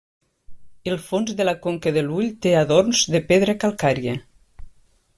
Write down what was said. El fons de la conca de l'ull té adorns de pedra calcària.